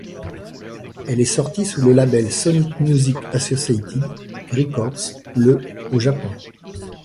Elle est sortie sous le label Sony Music Associated Records le au Japon.